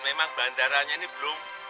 memang bandaranya ini belum